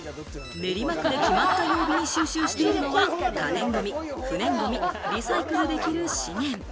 練馬区で決まった曜日に収集しているのは可燃ごみ、不燃ごみ、リサイクルできる資源。